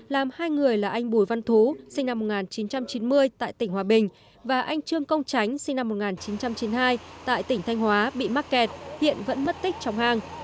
làm hai người là anh bùi văn thú sinh năm một nghìn chín trăm chín mươi tại tỉnh hòa bình và anh trương công tránh sinh năm một nghìn chín trăm chín mươi hai tại tỉnh thanh hóa bị mắc kẹt hiện vẫn mất tích trong hang